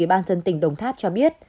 ủy ban thân tỉnh đồng tháp cho biết